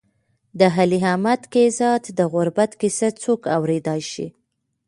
د علي احمد کهزاد د غربت کیسه څوک اورېدای شي.